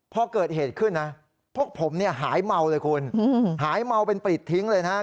พอเกิดเหตุขึ้นนะพวกผมเนี่ยหายเมาเลยคุณหายเมาเป็นปริดทิ้งเลยนะ